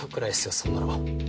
そんなの。